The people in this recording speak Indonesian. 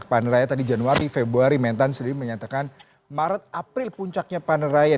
panen raya tadi januari februari mentan sendiri menyatakan maret april puncaknya panen raya